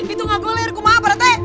itu gak goler kumohon pak rete